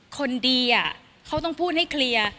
คนดีเขาต้องพูดให้เคลียร์